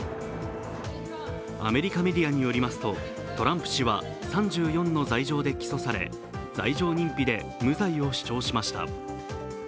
アメリカメディアによりますとトランプ氏は３４の罪状で起訴され罪状認否で無罪を主張しました。